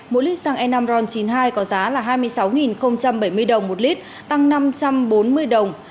mỗi lít xăng e năm ron chín mươi hai có giá là hai mươi sáu bảy mươi đồng một lít tăng năm trăm bốn mươi đồng